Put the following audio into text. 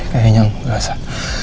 kayaknya enggak sah